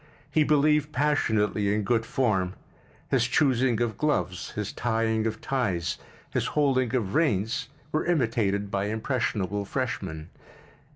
He believed passionately in good form—his choosing of gloves, his tying of ties, his holding of reins were imitated by impressionable freshmen.